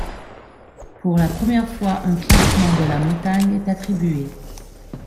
Pour la première fois, un classement de la montagne est attribué.